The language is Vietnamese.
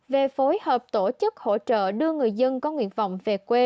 về phối hợp tổ chức hỗ trợ đưa người dân có nguyện vọng về quê